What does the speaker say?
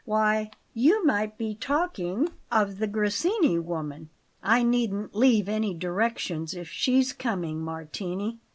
Why, you might be talking of the Grassini woman! I needn't leave any directions if she's coming, Martini.